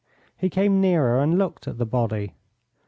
He came nearer and looked at the body.